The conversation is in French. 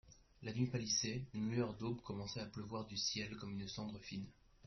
La nuit pâlissait, une lueur d'aube commençait à pleuvoir du ciel comme une cendre fine.